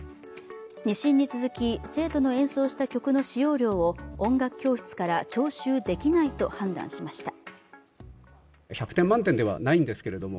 ２審に続き、生徒の演奏した曲の使用料を音楽教室から徴収できないと判断しました。